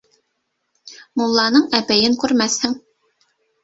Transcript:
Мулланың әпәйен күрмәҫһең.